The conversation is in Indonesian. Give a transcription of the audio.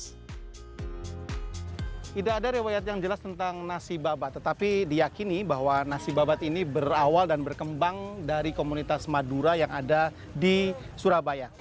tidak ada riwayat yang jelas tentang nasi babat tetapi diyakini bahwa nasi babat ini berawal dan berkembang dari komunitas madura yang ada di surabaya